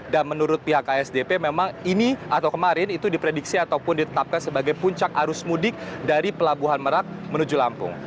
dan menurut pihak asdp memang ini atau kemarin itu diprediksi ataupun ditetapkan sebagai puncak arus mudik dari pelabuhan merak menuju lampung